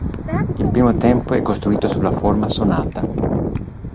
Il primo tempo è costruito sulla forma sonata.